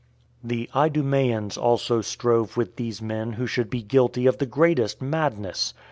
The Idumeans also strove with these men who should be guilty of the greatest madness!